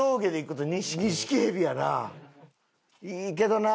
いいけどな。